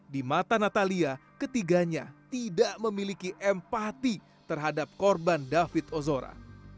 di mata natalia ketiganya tidak memiliki empati terhadap korban david ozora